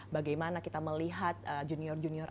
bagaimana kita melihat junior junior